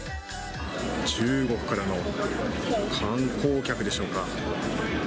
中国からの観光客でしょうか。